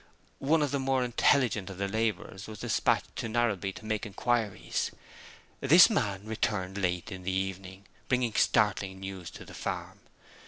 One of the more intelligent of the laborers was dispatched to Narrabee to make inquiries. The man returned late in the evening, bringing startling news to the farm.